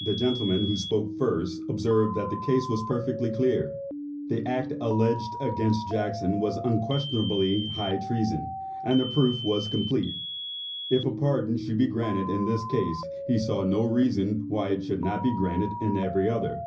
The gentleman who spoke first observed that the case was perfectly clear; the act alleged against Jackson was unquestionably high treason; and the proof was complete. If a pardon should be granted in this case, he saw no reason why it should not be granted in every other.